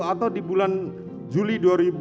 atau di bulan juli dua ribu dua puluh